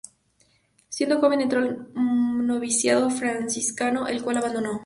Siendo joven entró al noviciado franciscano, el cual abandonó.